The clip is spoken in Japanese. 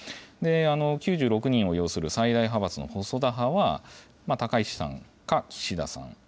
９６人を擁する最大派閥の細田派は、高市さんか岸田さん。